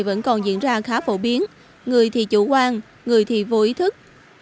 vẫn còn diễn ra khá phổ biến người thì chủ quan người thì vô ý thức